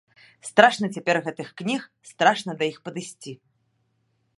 Страшна цяпер гэтых кніг, страшна да іх падысці.